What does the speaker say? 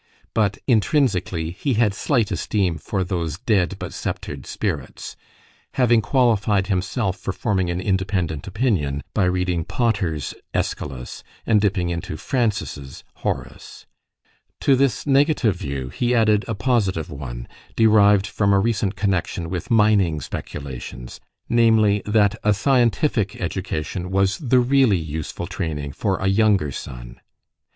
But, intrinsically, he had slight esteem for "those dead but sceptred spirits"; having qualified himself for forming an independent opinion by reading Potter's AEschylus, and dipping into Francis's Horace. To this negative view he added a positive one, derived from a recent connexion with mining speculations; namely, that a scientific education was the really useful training for a younger son.